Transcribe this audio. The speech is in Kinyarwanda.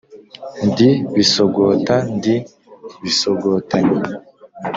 Ndi Bisogota ndi Bisogotanyi,